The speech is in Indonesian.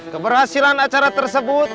keberhasilan acara tersebut